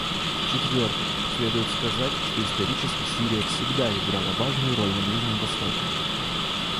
В-четвертых, следует сказать, что исторически Сирия всегда играла важную роль на Ближнем Востоке.